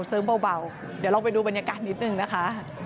เดี๋ยวเราไปดูบรรยากาศนิดนึงนะคะ